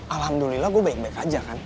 alhamdulillah gue baik baik aja kan